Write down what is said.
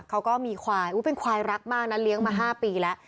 เขาก็มีควายเป็นควายรักมากนะเลี้ยงมา๕ปีแล้ว